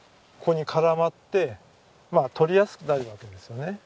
ここに絡まってまあ取りやすくなるわけですよね。